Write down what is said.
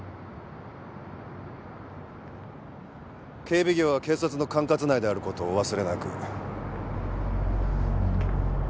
警備業は警察の管轄内である事をお忘れなく。